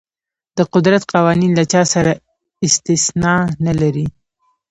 د قدرت قوانین له چا سره استثنا نه لري.